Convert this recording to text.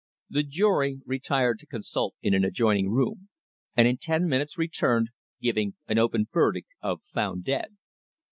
The jury retired to consult in an adjoining room, and in ten minutes returned, giving an open verdict of "Found dead."